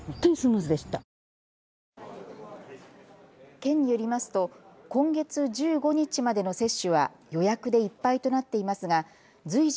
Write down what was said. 県によりますと今月１５日までの接種は予約でいっぱいとなっていますが随時